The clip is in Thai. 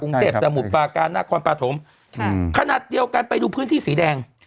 กรุงเทพสมุทรปาการนครปฐมขนาดเดียวกันไปดูพื้นที่สีแดง